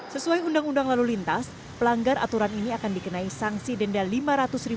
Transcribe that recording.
sesuai undang undang lalu lintas pelanggar aturan ini akan dikenai sanksi denda lima ratus ribu rupiah atau kurungan dua bulan penjara